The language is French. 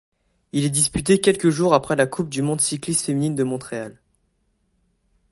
Il est disputé quelques jours après La Coupe du Monde Cycliste Féminine de Montréal.